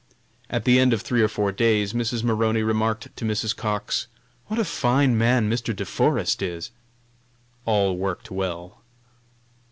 At the end of three or four days Mrs. Maroney remarked to Mrs. Cox: "What a fine man Mr. De Forest is!" All worked well.